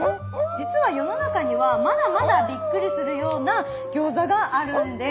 実は世の中にはまだまだびっくりするような餃子があるんです。